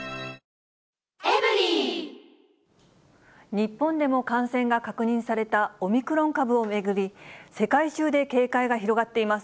日本でも感染が確認されたオミクロン株を巡り、世界中で警戒が広がっています。